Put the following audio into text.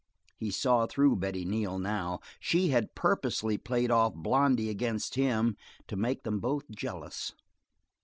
He saw through Betty Neal now; she had purposely played off Blondy against him, to make them both jealous.